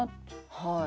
「はい」。